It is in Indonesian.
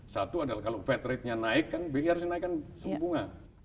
satu adalah kalau fat rate nya naik kan bi harus naikkan suku bunga